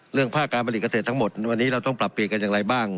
ภาคการผลิตเกษตรทั้งหมดวันนี้เราต้องปรับเปลี่ยนกันอย่างไรบ้าง